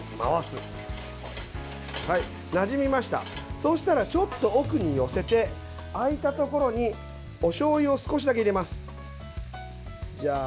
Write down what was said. そうしたら、ちょっと奥に寄せて空いたところにおしょうゆを少しだけ入れます。